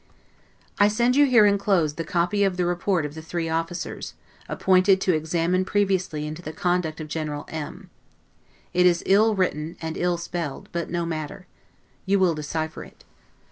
I send you here inclosed the copy of the Report of the three general officers, appointed to examine previously into the conduct of General M t; it is ill written, and ill spelled, but no matter; you will decipher it.